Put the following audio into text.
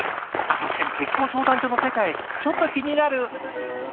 あっ確かに結婚相談所の世界ちょっと気になる。